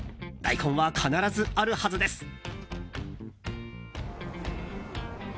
大根は必ずあるはずです。